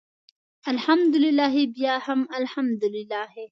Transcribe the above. الحمدلله بیا هم الحمدلله.